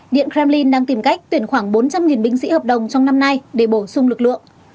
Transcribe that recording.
điện kremlin đang tìm cách tuyển khoảng bốn trăm linh binh sĩ hợp đồng trong năm nay để bổ sung lực lượng